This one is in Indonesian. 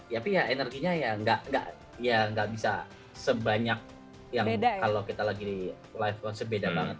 tapi ya energinya ya nggak bisa sebanyak yang kalau kita lagi live conce nya beda banget